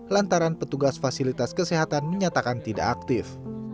lantaran petugas fasilitas kesehatan menyatakan tidak aktif